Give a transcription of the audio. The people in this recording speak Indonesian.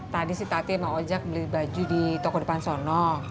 tadi si tati sama ojak beli baju di toko depan sono